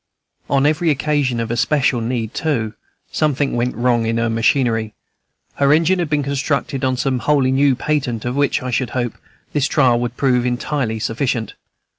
On every occasion of especial need, too, something went wrong in her machinery, her engine being constructed on some wholly new patent, of which, I should hope, this trial would prove entirely sufficient.